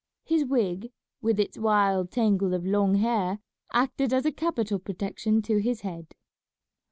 His wig, with its wild tangle of long hair, acted as a capital protection to his head.